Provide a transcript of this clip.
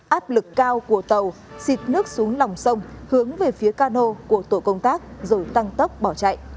áp lực cao của tàu xịt nước xuống lòng sông hướng về phía cano của tổ công tác rồi tăng tốc bỏ chạy